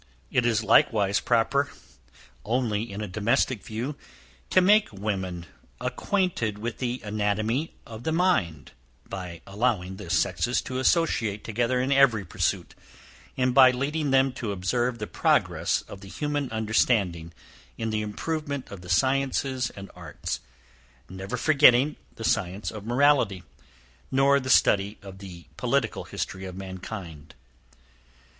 It is likewise proper, only in a domestic view, to make women, acquainted with the anatomy of the mind, by allowing the sexes to associate together in every pursuit; and by leading them to observe the progress of the human understanding in the improvement of the sciences and arts; never forgetting the science of morality, nor the study of the political history of mankind.